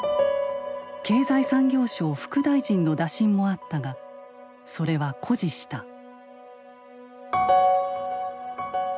経済産業省副大臣の打診もあったがそれは固辞した。